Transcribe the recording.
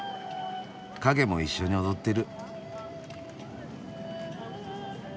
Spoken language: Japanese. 影も一緒に踊ってる。